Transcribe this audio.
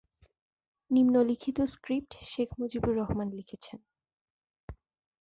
নিম্নলিখিত স্ক্রিপ্ট শেখ মুজিবুর রহমান লিখেছেন।